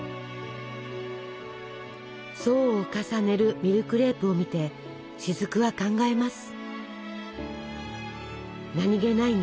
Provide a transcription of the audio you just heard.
層を重ねるミルクレープを見て雫は考えます。